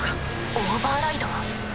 オーバーライド？